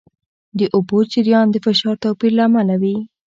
د اوبو جریان د فشار توپیر له امله وي.